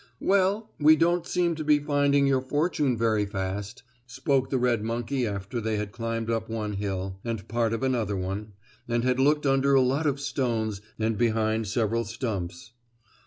"Well, we don't seem to be finding your fortune very fast," spoke the red monkey after they had climbed up one hill, and part of another one, and had looked under a lot of stones and behind several stumps.